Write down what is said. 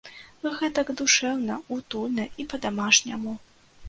Гэтак душэўна, утульна і па-дамашняму.